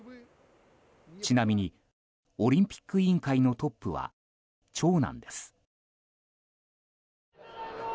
ちなみにオリンピック委員会のトップは長男です。